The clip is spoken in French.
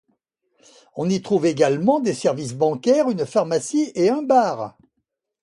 On y trouve également des services bancaire, une pharmacie et un bar.